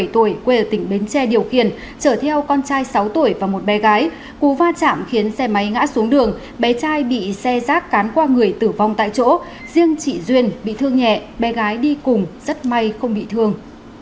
ba mươi tuổi quê ở tỉnh bến tre điều khiển chở theo con trai sáu tuổi và một bé gái cú va chạm khiến xe máy ngã xuống đường bé trai bị xe rác cán qua người tử vong tại chỗ riêng chị duyên bị thương nhẹ bé gái đi cùng rất may không bị thương